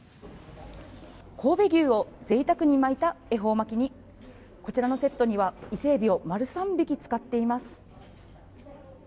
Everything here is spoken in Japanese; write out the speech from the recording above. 神戸牛をぜいたくに巻いた恵方巻きにこちらのセットには、伊勢エビを丸３匹使っています。